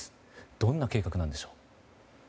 どんな計画なんでしょう。